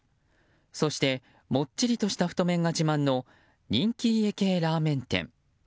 そしてもっちりとした太麺が自慢の人気家系ラーメン店。